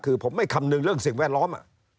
คือผมไม่คำนึงเรื่องสิ่งแวดล้อม